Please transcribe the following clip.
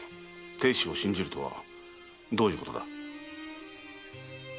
「亭主を信じる」とはどういうことだ？